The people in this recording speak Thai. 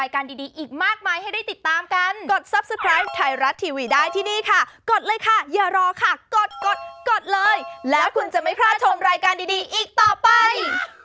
กันดีอีกต่อไป